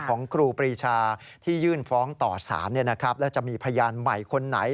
ครูปรีชาที่ยื่นฟ้องต่อสารแล้วจะมีพยานใหม่คนไหน